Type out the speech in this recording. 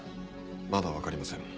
まだ分かりません。